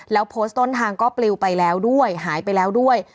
แล้วโพสต์ต้นทางก็ปลิวไปแล้วด้วยหายไปแล้วด้วย